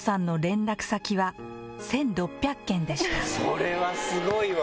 それはスゴいわ！